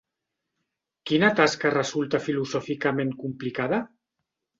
Quina tasca resulta filosòficament complicada?